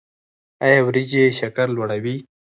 ایا وریجې شکر لوړوي؟